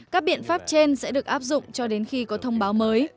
các biện pháp trên sẽ được áp dụng cho đến khi có thông báo mới